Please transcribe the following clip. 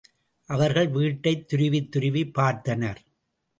அவர்கள் வீட்டைத் துருவித்துருவிப் பார்த்தனர்.